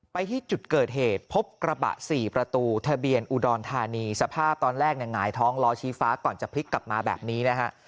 ไปที่จุดเกิดเหตุพบกระบะสี่ประตูทะเบียนอุดรธานีสภาพตอนแรกเนี่ยหงายท้องล้อชี้ฟ้าก่อนจะพลิกกลับมาแบบนี้นะฮะ